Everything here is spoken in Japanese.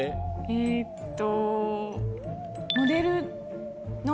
えっと。